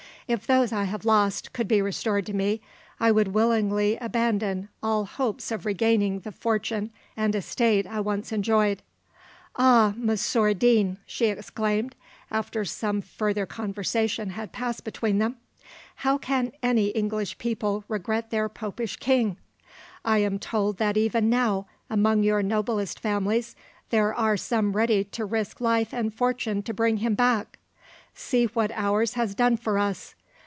"If those I have lost could be restored to me, I would willingly abandon all hopes of regaining the fortune and estate I once enjoyed. Ah, Monsieur Deane," she exclaimed, after some further conversation had passed between them, "how can any English people regret their Popish king? I am told that even now among your noblest families there are some ready to risk life and fortune to bring him back! See what ours has done for us!